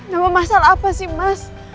nambah masalah apa sih mas